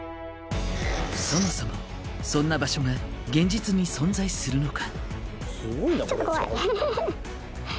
そもそもそんな場所が現実に存在するのか？